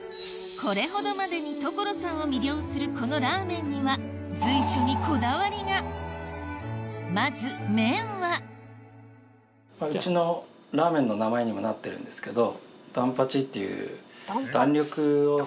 これほどまでに所さんを魅了するこのラーメンには随所にこだわりがまず麺はうちのラーメンの名前にもなってるんですけど。